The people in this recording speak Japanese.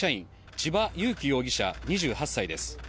千葉裕生容疑者、２８歳です。